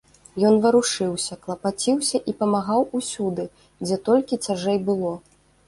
Ён варушыўся, клапаціўся і памагаў усюды, дзе толькі цяжэй было.